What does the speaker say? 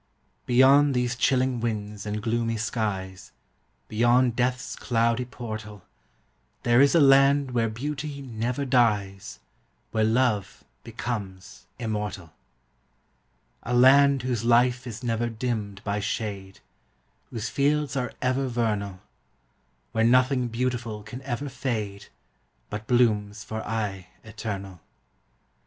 Beyond these chilling winds and gloomy skies, Beyond death's cloudy portal, There is a land where beauty never dies, Where love becomes immortal; A land whose life is never dimmed by shade, Whose fields are ever vernal; Where nothing beautiful can ever fade, But blooms for aye eternal.